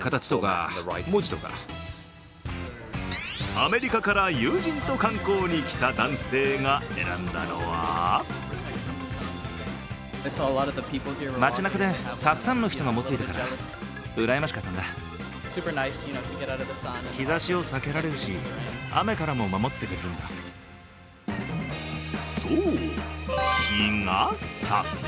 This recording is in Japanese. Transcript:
アメリカから友人と観光に来た男性が選んだのはそう、日傘。